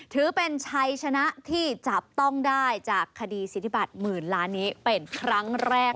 ถือเป็นชัยชนะที่จับต้องได้จากคดีสิทธิบัตรหมื่นล้านนี้เป็นครั้งแรก